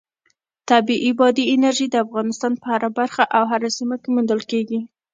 طبیعي بادي انرژي د افغانستان په هره برخه او هره سیمه کې موندل کېږي.